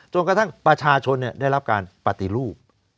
จนกระทั่งประชาชนได้รับการปฏิรูป